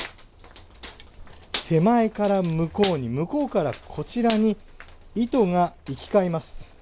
手前から向こうに向こうから、こちらに糸が行き交います。